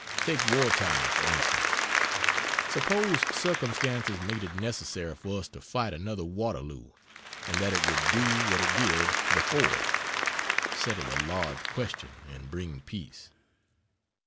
Take wartime for instance. Suppose circumstances made it necessary for us to fight another Waterloo, and that it would do what it did before settle a large question and bring peace.